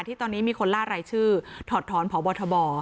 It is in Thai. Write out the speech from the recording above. ที่ตอนนี้มีคนล่ารายชื่อถอดถอนพบทบ